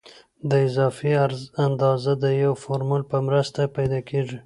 د اضافي عرض اندازه د یو فورمول په مرسته پیدا کیږي